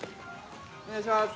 お願いします。